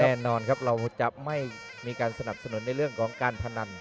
แน่นอนครับเราจะไม่มีการสนับสนุนในเรื่องของการพนัน